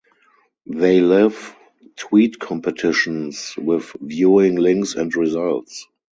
They live tweet competitions with viewing links and results.